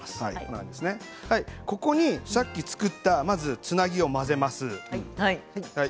ここにさっき作ったつなぎを混ぜます。